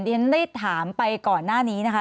ฉันได้ถามไปก่อนหน้านี้นะคะ